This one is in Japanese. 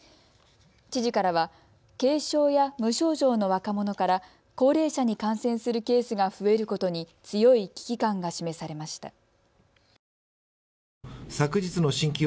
知事からは軽症や無症状の若者から高齢者に感染するケースが増えることに強い危機感が示されました。